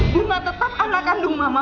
bunga tetap anak kandung mama